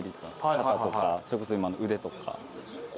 肩とかそれこそ今の腕とか。